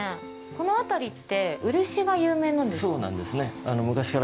この辺りって漆が有名なんですか？